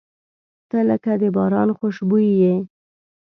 • ته لکه د باران خوشبويي یې.